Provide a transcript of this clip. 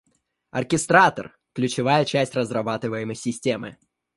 Оркестратор – ключевая часть разрабатываемой системы